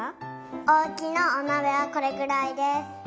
おうちのおなべはこれくらいです。